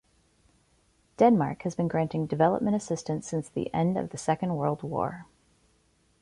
Denmark has been granting development assistance since the end of the Second World War.